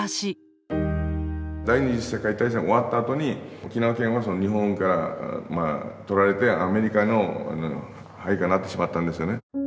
第二次世界大戦終わったあとに沖縄県は日本から取られてアメリカの配下になってしまったんですよね。